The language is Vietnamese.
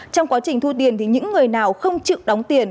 trong quá trình thu tiền thì những người nào không chịu đóng tiền